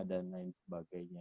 dan lain sebagainya